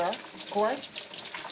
怖い？